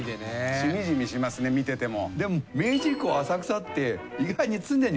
しみじみしますね見てても。